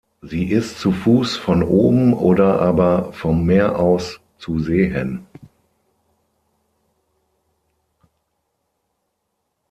Sie ist zu Fuß von oben oder aber vom Meer aus zu sehen.